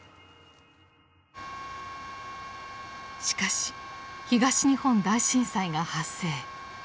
しかし東日本大震災が発生。